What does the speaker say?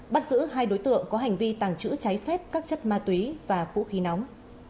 bắt giữ hai đối tượng có hành vi tàng trữ trái phép các chất ma túy và vũ khí nóng